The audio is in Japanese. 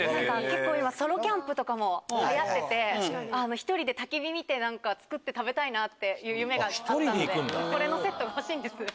結構今ソロキャンプとかも流行ってて１人で焚き火見て作って食べたいなっていう夢があったのでこれのセットが欲しいんです。